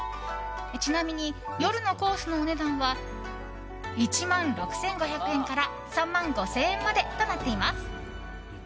ちなみに、夜のコースのお値段は１万６５００円から３万５０００円までとなっています。